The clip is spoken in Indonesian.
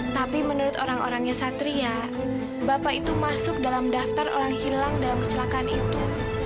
tapi menurut orang orangnya satria bapak itu masuk dalam daftar orang hilang dalam kecelakaan itu